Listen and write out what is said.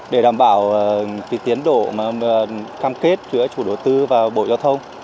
để đảm bảo tiến độ cam kết giữa chủ đầu tư và bộ giao thông